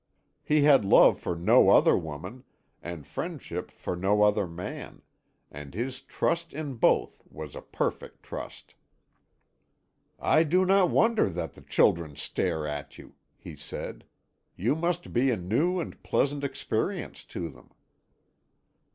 He had love for no other woman, and friendship for no other man, and his trust in both was a perfect trust. "I do not wonder that the children stare at you," he said; "you must be a new and pleasant experience to them."